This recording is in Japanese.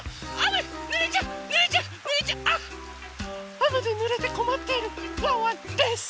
あめでぬれてこまっているワンワンです。